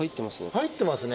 入ってますね。